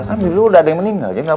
kan dulu udah ada yang meninggal